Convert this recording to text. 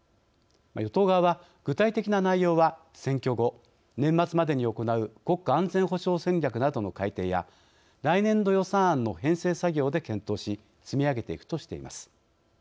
与党側は、具体的な内容は選挙後、年末までに行う国家安全保障戦略などの改定や来年度予算案の編成作業で検討し積み上げていくとしています。